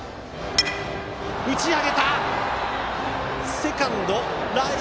打ち上げた！